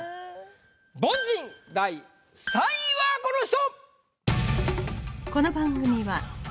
凡人第３位はこの人！